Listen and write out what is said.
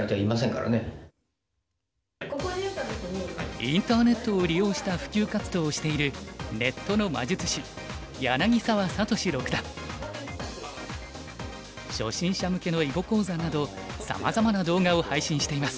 インターネットを利用した普及活動をしている初心者向けの囲碁講座などさまざまな動画を配信しています。